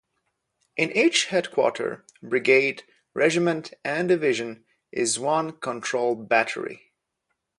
In each headquarter, brigade, regiment and division, is one Control Battery.